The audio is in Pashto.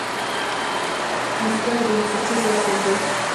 مصدر بنسټیز اصل دئ.